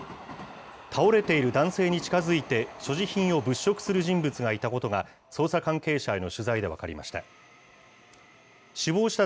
倒れている男性に近づいて、所持品を物色する人物がいたことが、捜査関係者への取材で分かりました。